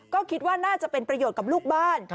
ก็คิดว่าน่าจะเป็นประโยชน์กับลูกบ้าน